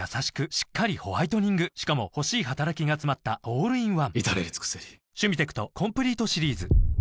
しっかりホワイトニングしかも欲しい働きがつまったオールインワン至れり尽せりいってらっしゃい！